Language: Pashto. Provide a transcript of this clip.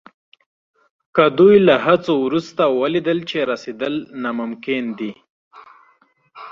که دوی له هڅو وروسته ولیدل چې رسېدل ناممکن دي.